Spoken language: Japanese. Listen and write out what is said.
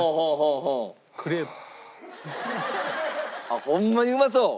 あっホンマにうまそう。